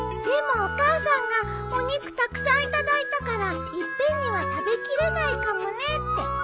でもお母さんがお肉たくさん頂いたから一遍には食べきれないかもねって。